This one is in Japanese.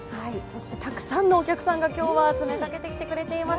たくさんのお客さんが今日は詰めかけてきてくれています。